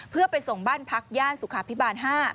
เพื่อไปส่งบ้านพักย่านสุขภิบาล๕